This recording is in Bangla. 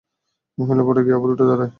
মহিলা পড়ে গিয়ে আবার উঠে দাঁড়ায়।